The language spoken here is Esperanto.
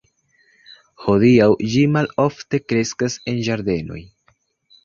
Hodiaŭ ĝi malofte kreskas en ĝardenoj.